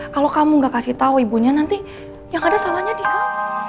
kalo kamu gak kasih tau ibunya nanti yang ada salahnya dikau